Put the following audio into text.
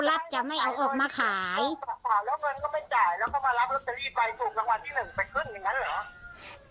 รัฐจะไม่เอาออกมาขายแล้วเงินก็ไม่จ่ายแล้วก็มารับรัสเตอรี่ไป